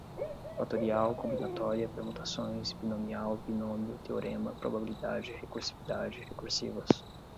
fatorial, combinatória, permutações, binomial, binômio, teorema, probabilidade, recursividade, recursivas